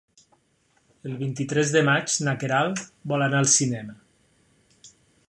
El vint-i-tres de maig na Queralt vol anar al cinema.